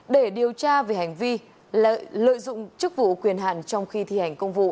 để điều tra về hành vi lợi dụng chức vụ quyền hạn trong khi thi hành công vụ